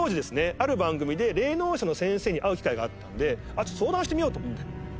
ある番組で霊能者の先生に会う機会があったので相談してみようと思って。